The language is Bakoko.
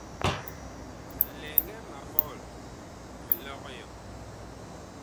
Lɛŋgɛ ma bɔɔl mi lɔg yɔ.